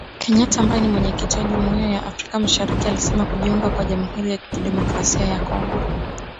Kenyatta ambaye ni Mwenyekiti wa Jumuiya ya Afrika Mashariki alisema kujiunga kwa Jamhuri ya Kidemokrasia ya Kongo